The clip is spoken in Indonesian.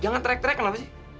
jangan trek trek kenapa sih